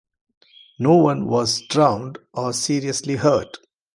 No one was drowned or seriously hurt.